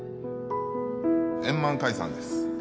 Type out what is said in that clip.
円満解散です。